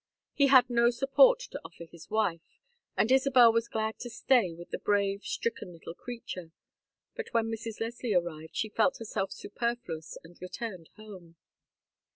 He had no support to offer his wife, and Isabel was glad to stay with the brave stricken little creature; but when Mrs. Leslie arrived she felt herself superfluous and returned home.